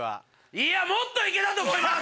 いやもっと行けたと思います！